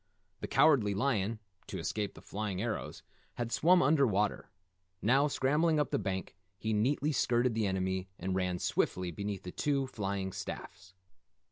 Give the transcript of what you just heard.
The Cowardly Lion, to escape the flying arrows, had swum under water. Now, scrambling up the bank, he neatly skirted the enemy and ran swiftly beneath the two, flying staffs.